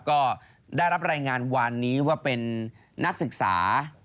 ก็ได้รับรายงานวานนี้ว่าเป็นนักศึกษา